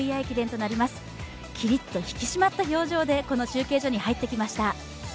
きりっと引き締まった表情でこの中継所に入ってきました。